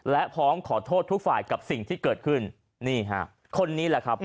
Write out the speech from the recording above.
และพร้อมขอโทษทุกฝ่ายกับสิ่งที่เกิดขึ้นนี่ฮะคนนี้แหละครับ